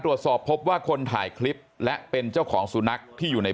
ตรวจสอบพบว่าคนถ่ายคลิปและเป็นเจ้าของสุนัขที่อยู่ใน